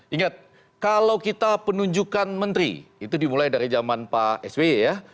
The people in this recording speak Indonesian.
ingat kalau kita penunjukan menteri itu dimulai dari zaman pak sby ya